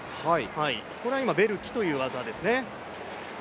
これは今、ベルキという技ですね。